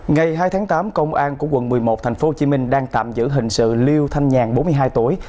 ngày hai tháng tám công an của quận một mươi một tp hcm đang tạm giữ hình sự liêu thanh nhàn bốn mươi hai tuổi